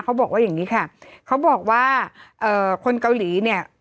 เขาบอกว่าอย่างนี้ค่ะเขาบอกว่าเอ่อคนเกาหลีเนี่ย